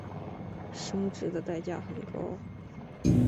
生殖的代价很高。